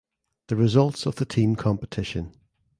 The results of the team competition.